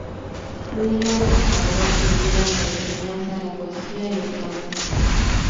Julio consagró su vida a la enseñanza, la poesía y el flamenco.